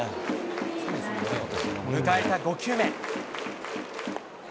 迎えた５球目。